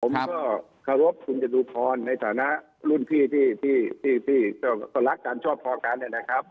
ผมก็ขอบคุณหญิงดูพรในฐานะรุ่นพี่ที่เกิดก็รักการชอบพอการนะครับ